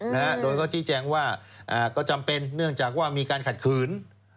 โดยเขาก็ชี้แจงว่าก็จำเป็นเนื่องจากว่ามีการขัดขืน